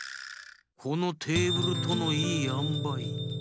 このテーブルとのいいあんばい。